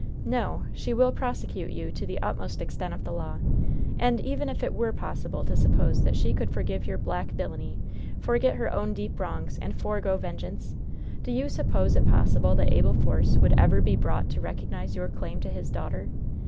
No! She will prosecute you to the utmost extent of the law. And, even if it were possible to suppose that she could forgive your black villainy, forget her own deep wrongs, and forego vengeance, do you suppose it possible that Abel Force would ever be brought to recognize your claim to his daughter?